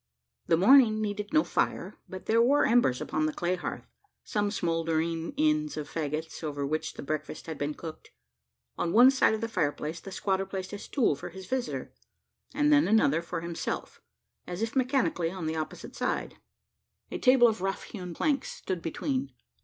The morning needed no fire, but there were embers upon the clay hearth some smouldering ends of faggots over which the breakfast had been cooked. On one side of the fireplace the squatter placed a stool for his visitor; and then another for himself, as if mechanically on the opposite side. A table of rough hewn planks stood between.